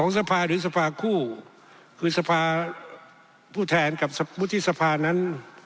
สภาหรือสภาคู่คือสภาผู้แทนกับวุฒิสภานั้น